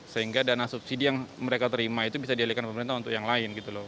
sehingga dana subsidi yang mereka terima itu bisa dialihkan pemerintah untuk yang lain gitu loh